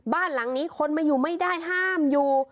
บ้านหลังนี้คนมาอยู่ไม่ได้ห้ามอยู่